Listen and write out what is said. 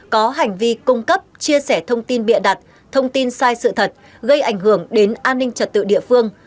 có hành vi cung cấp chia sẻ thông tin bịa đặt thông tin sai sự thật gây ảnh hưởng đến an ninh trật tự địa phương